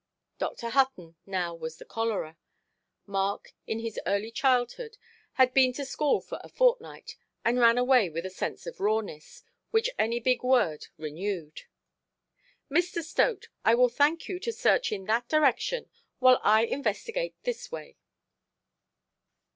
Dr. Hutton now was the collarer. Mark, in his early childhood, had been to school for a fortnight, and ran away with a sense of rawness, which any big word renewed. "Mr. Stote, I will thank you to search in that direction, while I investigate this way".